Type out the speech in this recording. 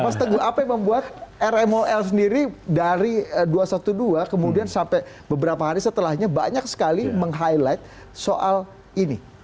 mas teguh apa yang membuat rmol sendiri dari dua ratus dua belas kemudian sampai beberapa hari setelahnya banyak sekali meng highlight soal ini